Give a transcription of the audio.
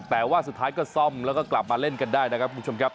แต่ว่าสุดท้ายก็ซ่อมแล้วก็กลับมาเล่นกันได้นะครับคุณผู้ชมครับ